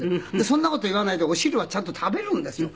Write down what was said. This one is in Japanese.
そんな事を言わないでお昼はちゃんと食べるんですよ。